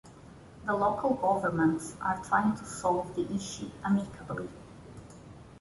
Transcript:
The local governments are trying to solve the issue amicably.